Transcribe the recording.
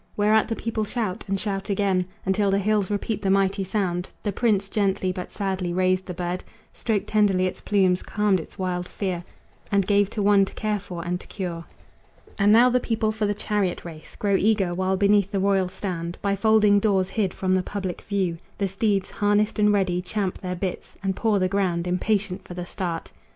Whereat the people shout, and shout again, Until the hills repeat the mighty sound. The prince gently but sadly raised the bird, Stroked tenderly its plumes, calmed its wild fear, And gave to one to care for and to cure. And now the people for the chariot race Grow eager, while beneath the royal stand, By folding doors hid from the public view, The steeds, harnessed and ready, champ their bits And paw the ground, impatient for the start.